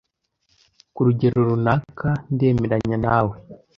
Ku rugero runaka ndemeranya nawe.